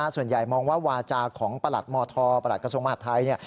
ส่วนใหญ่มองว่าวาจาของประหลักมธประหลักสมภัทรไทย